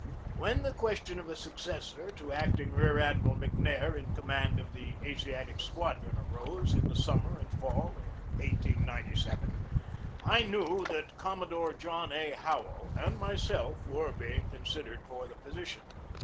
When the question of a successor to Acting Rear Admiral McNair in command of the Asiatic Squadron arose, in the summer and fall of 1897, I knew that Com modore John A. Howell and myself were being con sidered for the position.